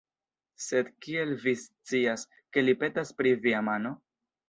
Sed, kiel vi scias, ke li petas pri via mano?